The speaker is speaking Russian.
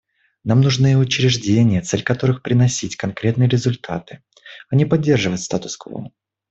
Нам нужны учреждения, цель которых — приносить конкретные результаты, а не поддерживать статус-кво.